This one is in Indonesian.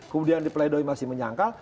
kemudian di pleidoi masih menyangkal